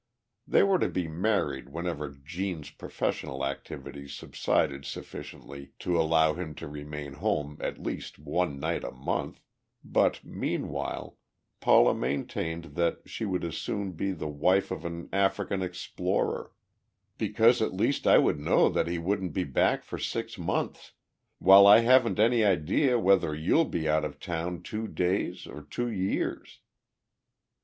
They were to be married whenever Gene's professional activities subsided sufficiently to allow him to remain home at least one night a month, but, meanwhile, Paula maintained that she would as soon be the wife of an African explorer "Because at least I would know that he wouldn't be back for six months, while I haven't any idea whether you'll be out of town two days or two years."